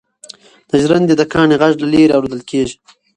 د ژرندې د کاڼي غږ له لیرې اورېدل کېږي.